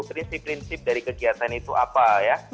prinsip prinsip dari kegiatan itu apa ya